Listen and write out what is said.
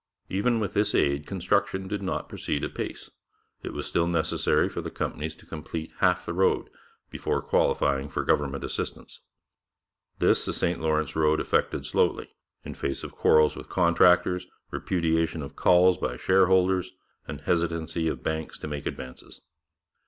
Even with this aid construction did not proceed apace. It was still necessary for the companies to complete half the road before qualifying for government assistance. This the St Lawrence road effected slowly, in face of quarrels with contractors, repudiation of calls by shareholders, and hesitancy of banks to make advances.